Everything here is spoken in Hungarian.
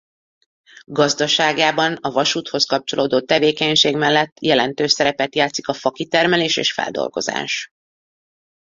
Gazdaságában a vasúthoz kapcsolódó tevékenység mellett jelentős szerepet játszik a fakitermelés és-feldolgozás.